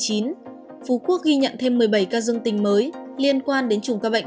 phú quốc ghi nhận thêm một mươi bảy ca dương tình mới liên quan đến chùm ca bệnh